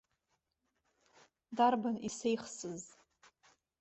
Дарбан изеихсыз?